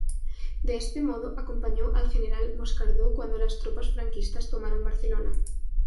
De este modo, acompañó al General Moscardó cuando las tropas franquistas tomaron Barcelona.